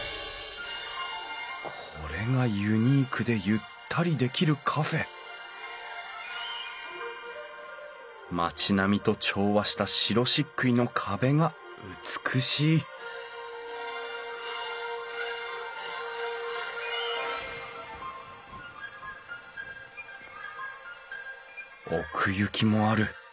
これがユニークでゆったりできるカフェ町並みと調和した白しっくいの壁が美しい奥行きもある。